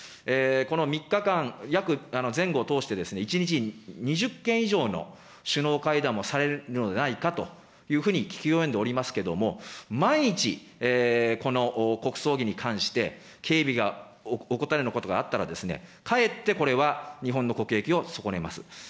この３日間、約前後を通して、１日に２０件以上の首脳会談をされるのではないかというふうに聞き及んでおりますけれども、万一、この国葬儀に関して、警備が怠るようなことがあったら、かえってこれは日本の国益を損ねます。